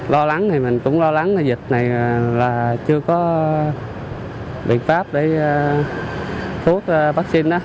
lo lắng thì mình cũng lo lắng dịch này là chưa có biện pháp để thuốc vaccine